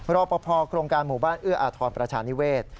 รอปภโครงการหมู่บ้านเอื้ออาทรประชานิเวศ